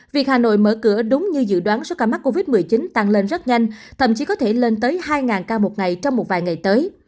việc hà nội mở cửa đúng như dự đoán số ca mắc covid một mươi chín tăng lên rất nhanh thậm chí có thể lên tới hai ca một ngày trong một vài ngày tới